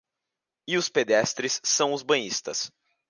E os pedestres são os banhistas